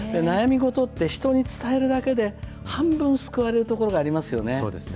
悩み事って人に伝えるだけで、半分救われるところがありますよね。